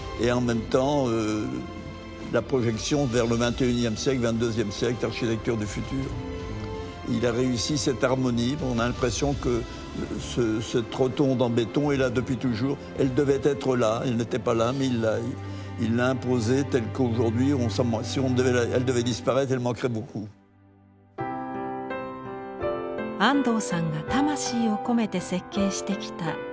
安藤さんが魂を込めて設計してきた建築の数々。